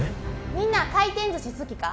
みんな回転寿司好きか？